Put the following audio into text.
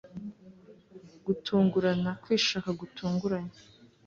gutungurana kwishaka gutunguranye